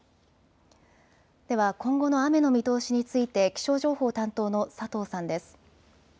では今後の雨の見通しについて気象情報担当の佐藤さんです。